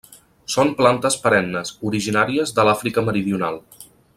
Són plantes perennes, originàries de l'Àfrica Meridional.